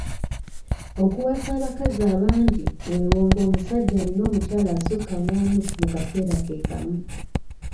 Okuwasa abakazi abangi weewo nga omusajja alina omukyala asukka mw'omu mu kaseera ke kamu.